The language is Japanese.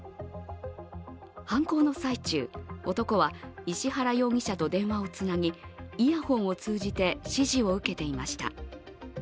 犯行の最中、男は石原容疑者と電話をつなぎイヤホンを通じて指示を受けていました。